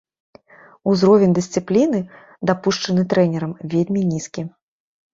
Узровень дысцыпліны, дапушчаны трэнерам, вельмі нізкі.